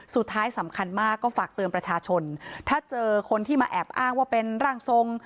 สุดท้ายสำคัญมากก็ฝากเตือนประชาชนถ้าเจอคนที่มาแอบอ้างว่าเป็นร่างทรง